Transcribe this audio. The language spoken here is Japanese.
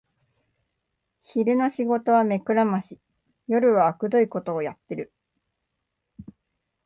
昼の仕事は目くらまし、夜はあくどいことをやってる